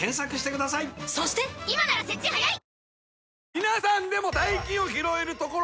皆さんでも。